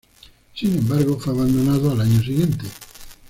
Sin embargo, fue abandonado al año siguiente.